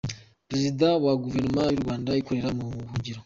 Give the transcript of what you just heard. Perezida wa Guverinoma y’u Rwanda ikorera mu buhungiro.